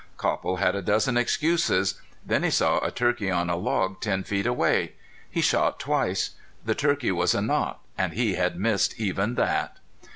Copple had a dozen excuses. Then he saw a turkey on a log ten feet away. He shot twice. The turkey was a knot, and he had missed even that.